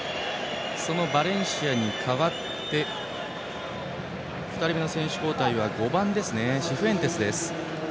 バレンシアに代わって２人目の選手交代は５番、シフエンテスです。